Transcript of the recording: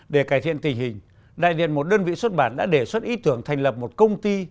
để cải thiện tình hình đại diện một đơn vị xuất bản đã đề xuất ý tưởng thành lập một công ty